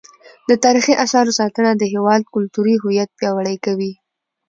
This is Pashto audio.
د تاریخي اثارو ساتنه د هیواد کلتوري هویت پیاوړی کوي.